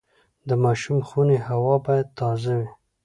د ماشوم خونې هوا باید تازه وي۔